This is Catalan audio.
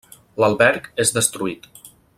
L'alberg és destruït.